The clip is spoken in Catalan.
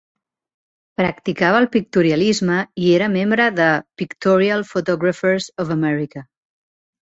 Practicava el pictorialisme i era membre de Pictorial Photographers of America.